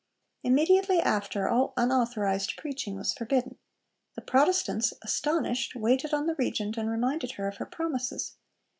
Immediately after, all 'unauthorised' preaching was forbidden. The Protestants, astonished, waited on the Regent and reminded her of her promises.